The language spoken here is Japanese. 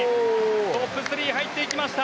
トップ３に入ってきました！